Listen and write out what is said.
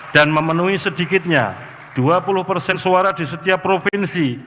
memenuhi sedikitnya dua puluh persen suara di setiap provinsi